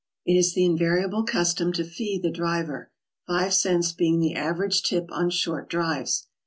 It is the invariable custom to fee the driver, — five cents being the average tip on short drives.